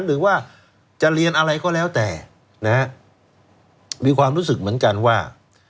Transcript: หรือว่าจะเรียนอะไรก็แล้วแต่นะฮะมีความรู้สึกเหมือนกันว่า